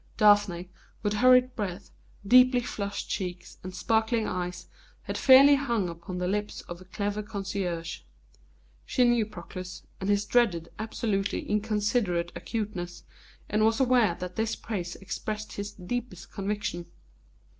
Daphne, with hurried breath, deeply flushed cheeks, and sparkling eyes, had fairly hung upon the lips of the clever connoisseur. She knew Proclus, and his dreaded, absolutely inconsiderate acuteness, and was aware that this praise expressed his deepest conviction.